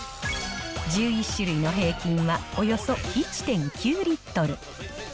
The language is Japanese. １１種類の平均はおよそ１．９リットル。